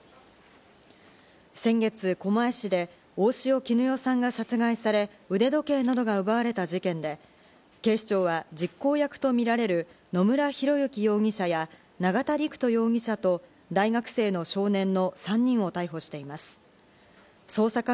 先月、狛江市で大塩衣与さんが殺害され、腕時計などが奪われた事件で、警視庁は実行役とみられる野村広之容疑者や永田陸人容疑者と大学生の少年の３人を逮捕しています。